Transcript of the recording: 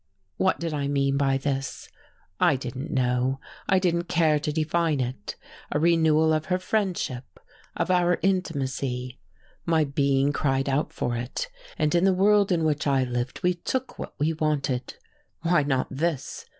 What did I mean by this? I didn't know, I didn't care to define it, a renewal of her friendship, of our intimacy. My being cried out for it, and in the world in which I lived we took what we wanted why not this?